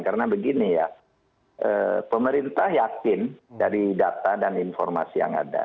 karena begini ya pemerintah yakin dari data dan informasi yang ada